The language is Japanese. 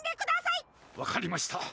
わかりました！